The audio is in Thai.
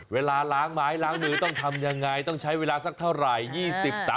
ล้างไม้ล้างมือต้องทำยังไงต้องใช้เวลาสักเท่าไหร่